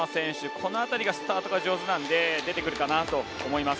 この辺りがスタートが上手なので出てくるかなと思います。